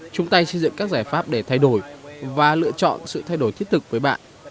chung tay xây dựng các giải pháp để thay đổi và lựa chọn sự thay đổi thiết thực với bạn